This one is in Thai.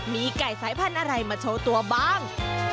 มีไก่สายพันธุ์อะไรมาโชว์ตัวบ้าง